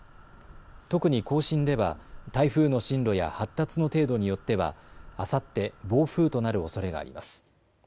特に甲信では台風の進路や発達の程度によっては、あさって暴風となるおそれがあります。